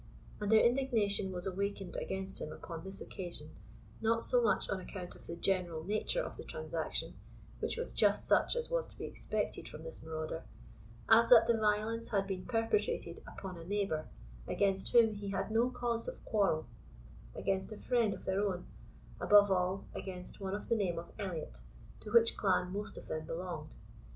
And their indignation was awakened against him upon this occasion, not so much on account of the general nature of the transaction, which was just such as was to be expected from this marauder, as that the violence had been perpetrated upon a neighbour against whom he had no cause of quarrel, against a friend of their own, above all, against one of the name of Elliot, to which clan most of them belonged.